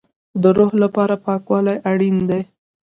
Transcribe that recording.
د روح لپاره پاکوالی اړین دی